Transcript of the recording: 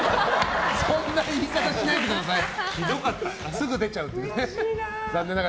そんな言い方しないでください。